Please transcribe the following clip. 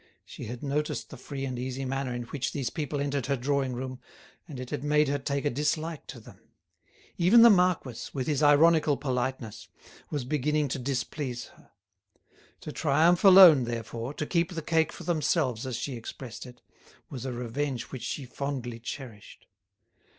She had noticed the free and easy manner in which these people entered her drawing room, and it had made her take a dislike to them. Even the marquis, with his ironical politeness, was beginning to displease her. To triumph alone, therefore, to keep the cake for themselves, as she expressed it, was a revenge which she fondly cherished.